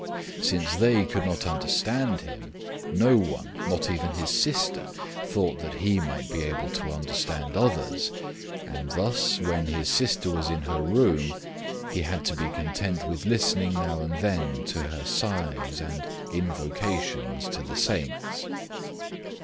Since they could not understand him, no one, not even his sister, thought that he might be able to understand others, and thus, when his sister was in her room, he had to be content with listening now and then to her sighs and invocations to the saints.